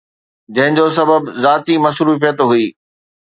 جنهن جو سبب ذاتي مصروفيت هئي.